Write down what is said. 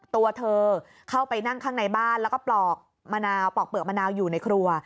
ตัวเธอเข้าไปนั่งข้างในบ้านแล้วก็ปลอกมะนาวปลอกเปลือกมะนาวอยู่ในครัว